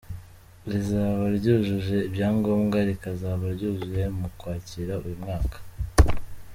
Rizaba ryujuje ibyangombwa rikazaba ryuzuye mu Kwakira uyu mwaka.